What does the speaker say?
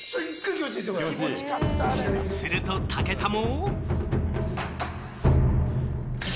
すると武田も。